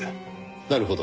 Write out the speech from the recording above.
なるほど。